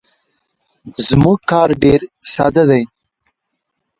زموږ کار ډیر ساده دی.